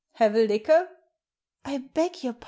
"Have a liquor?" " I beg your pardon